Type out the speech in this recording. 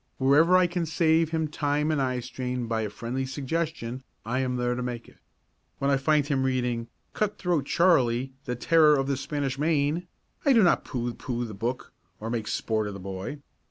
Wherever I can save him time and eyestrain by a friendly suggestion, I am there to make it. When I find him reading "Cut Throat Charley, the Terror of the Spanish Main," I do not pooh pooh the book or make sport of the boy.